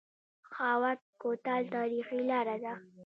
خاوک کوتل تاریخي لاره ده؟